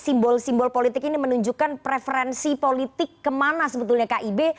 simbol simbol politik ini menunjukkan preferensi politik kemana sebetulnya kib